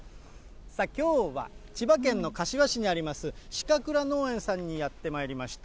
きょうは千葉県の柏市にあります、鹿倉農園さんにやってまいりました。